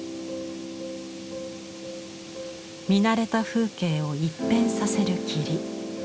見慣れた風景を一変させる霧。